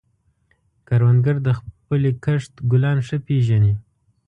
کروندګر د خپلې کښت ګلان ښه پېژني